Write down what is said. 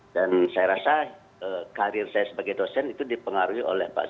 dan saya rasa karir saya sebagai dosen itu dipengaruhi oleh pak zuma